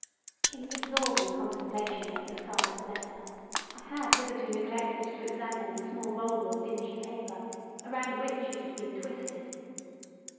In the absorbing contemplation of the scarlet letter, I had hitherto neglected to examine a small roll of dingy paper, around which it had been twisted.